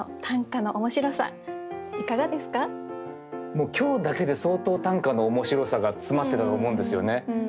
もう今日だけで相当短歌の面白さが詰まってたと思うんですよね。